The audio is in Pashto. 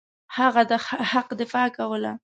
هغه د حق دفاع کوله.